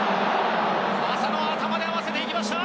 浅野、頭で合わせていきました。